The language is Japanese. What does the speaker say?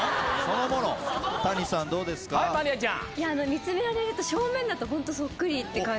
見つめられると正面だとホントそっくりって感じで。